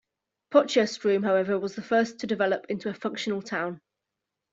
Potchefstroom however was the first to develop into a functional town.